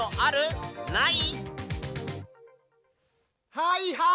はいはい！